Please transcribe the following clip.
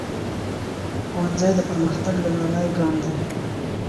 ښوونځی د پرمختګ لومړنی ګام دی.